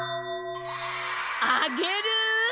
あげる！